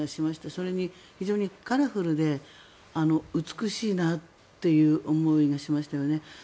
それに、非常にカラフルで美しいなという思いがしましたよね。